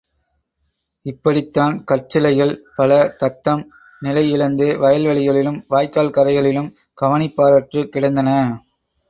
இப்படித்தான் கற்சிலைகள் பல தத்தம் நிலை இழந்து வயல்வெளிகளிலும், வாய்க்கால் கரைகளிலும் கவனிப்பாரற்றுக் கிடந்தன.